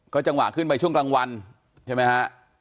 จังหวะขึ้นไปช่วงกลางวันใช่ไหมฮะ